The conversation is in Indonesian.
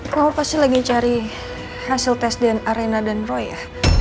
kamu pasti lagi cari hasil tes dna reina dan roy ya